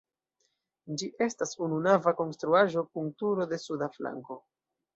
Ĝi estas ununava konstruaĵo kun turo de suda flanko.